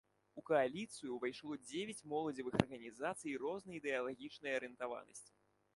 У кааліцыю ўвайшло дзевяць моладзевых арганізацый рознай ідэалагічнай арыентаванасці.